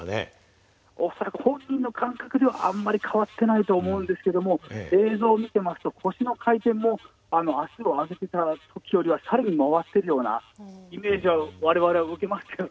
☎恐らく本人の感覚ではあんまり変わってないと思うんですけれども映像を見てますと腰の回転も足を上げてた時よりは更に回ってるようなイメージを我々は受けますよね。